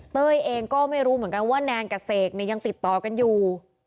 เต้ยเองก็ไม่รู้เหมือนกันว่าแนนกับเสกเนี่ยยังติดต่อกันอยู่